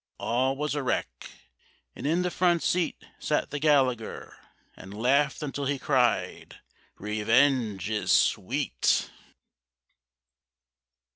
All was a wreck: And in the front seat sat the Gallagher And laughed until he cried. Revenge is sweet!